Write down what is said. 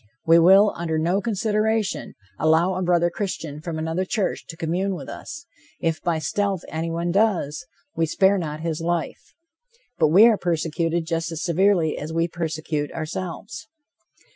We will, under no consideration, allow a brother Christian from another church to commune with us; if by stealth anyone does, we spare not his life. But we are persecuted just as severely as we persecute, ourselves.